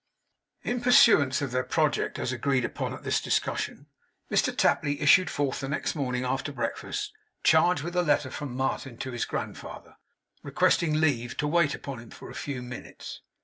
In pursuance of their project as agreed upon at this discussion, Mr Tapley issued forth next morning, after breakfast, charged with a letter from Martin to his grandfather, requesting leave to wait upon him for a few minutes.